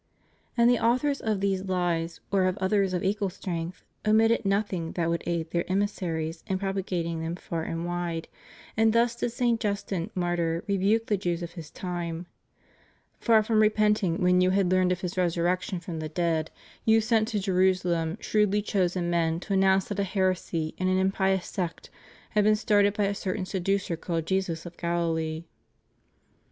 And the authors of these lies, or of others of equal strength, omitted nothing that would aid their emissaries in propagating them far and wide; and thus did St. Justin, martyr, rebuke the Jews of his time :" Far from repenting when you had learned of His resurrection from the dead, you sent to Jerusalem shrewdly chosen men to announce that a heresy and an impious sect had been started by a certain seducer called Jesus of Galilee."